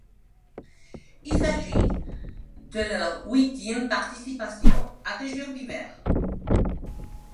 Il s'agit de leur huitième participation à des Jeux d'hiver.